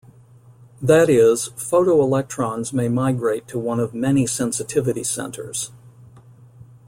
That is, photoelectrons may migrate to one of many sensitivity centers.